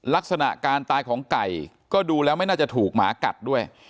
ลักษณะการตายของไก่ก็ดูแล้วไม่น่าจะถูกหมากัดด้วย